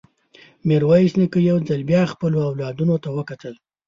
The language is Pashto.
ميرويس نيکه يو ځل بيا خپلو اولادونو ته وکتل.